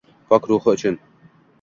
Pok ruhi uchun.